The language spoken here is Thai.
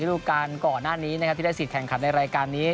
รูปการณ์ก่อนหน้านี้นะครับที่ได้สิทธิ์แข่งขันในรายการนี้